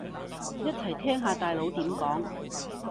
一齊聽下大佬點講